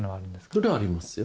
それはありますよ